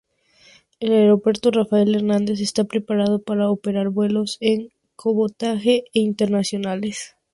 El Aeropuerto Rafael Hernández está preparado para operar vuelos de cabotaje e internacionales.